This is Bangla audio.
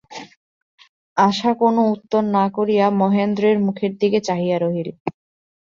আশা কোনো উত্তর না করিয়া মহেন্দ্রের মুখের দিকে চাহিয়া রহিল।